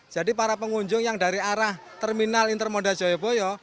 jadi para pengunjung yang dari arah terminal intermodal joyoboyo